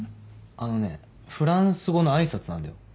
あのねフランス語の挨拶なんだよ。